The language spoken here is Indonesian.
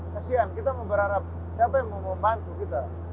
kasian kita berharap siapa yang mau membantu kita